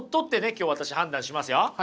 今日私判断しますよ。